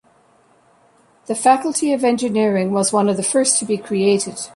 The Faculty of Engineering was one of the first to be created.